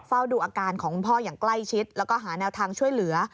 เฝ้าดูอาการของคุณพ่ออย่างใกล้ชิดแล้วก็หาแนวทางช่วยเหลือ